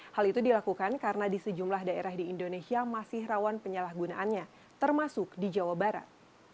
hal itu dilakukan karena di sejumlah daerah di indonesia masih rawan penyalahgunaannya termasuk di jawa barat